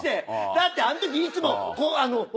だってあんときいつも俺。